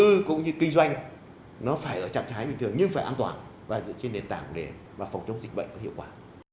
hoạt động sản xuất đầu tư cũng như kinh doanh nó phải ở trạng thái bình thường nhưng phải an toàn và dựa trên nền tảng để phòng chống dịch bệnh có hiệu quả